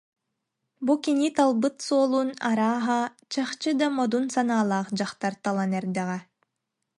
Бу кини талбыт суолун, арааһа, чахчы да модун санаалаах дьахтар талан эрдэҕэ